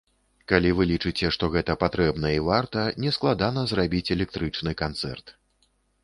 Калі вы лічыце, што гэта патрэбна і варта, не складана зрабіць электрычны канцэрт.